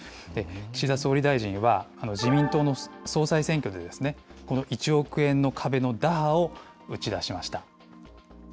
岸田総理大臣は、自民党の総裁選挙で、この１億円の壁の打破を打ち出しました。